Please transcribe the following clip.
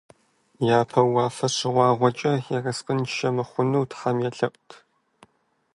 Япэу уафэ щыгъуагъуэкӀэ, ерыскъыншэ мыхъуну тхьэм елъэӀурт.